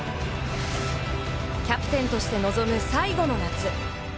キャプテンとして臨む最後の夏。